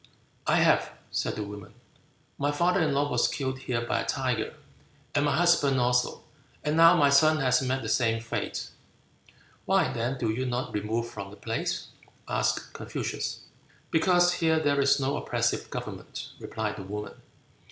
"I have," said the woman, "my father in law was killed here by a tiger, and my husband also; and now my son has met the same fate." "Why, then, do you not remove from the place?" asked Confucius. "Because here there is no oppressive government," replied the woman.